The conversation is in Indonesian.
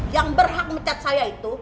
yang berhak mecat saya itu